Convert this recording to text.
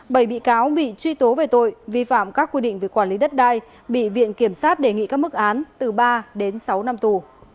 bảy bị cáo bị truy tố về tội vi phạm các quy định về quản lý đất đai bị viện kiểm sát đề nghị các mức án từ ba đến sáu năm tù